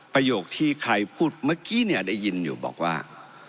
ประโยคที่ใครพูดเมื่อกี้เนี่ยได้ยินอยู่บอกว่า